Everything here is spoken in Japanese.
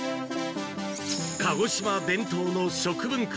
鹿児島伝統の食文化。